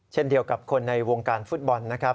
เช่นเดียวกับคนในวงการฟุตบอลนะครับ